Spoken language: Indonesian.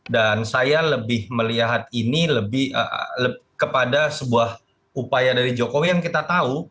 dan saya lebih melihat ini lebih kepada sebuah upaya dari jokowi yang kita tahu